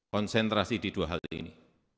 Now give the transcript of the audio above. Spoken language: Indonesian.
konsentrasi di dua hal ini